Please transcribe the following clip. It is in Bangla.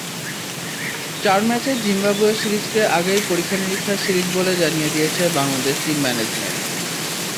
চার ম্যাচের জিম্বাবুয়ে সিরিজকে আগেই পরীক্ষা-নিরীক্ষার সিরিজ বলে জানিয়ে দিয়েছে বাংলাদেশ টিম ম্যানেজমেন্ট।